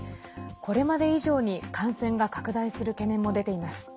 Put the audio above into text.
これまで以上に感染が拡大する懸念も出ています。